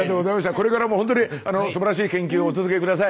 これからもほんとにすばらしい研究お続け下さい。